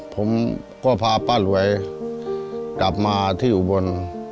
ผมก็พาป้าหลวยกลับมาที่อุบล